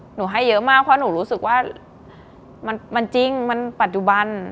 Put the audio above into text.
หนูให้เยอะมากเพราะหนูรู้สึกว่ามันจริงมันปัจจุบัน